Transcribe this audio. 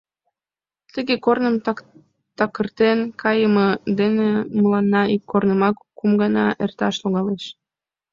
Тыге корным такыртен кайыме дене мыланна ик корнымак кум гана эрташ логалеш.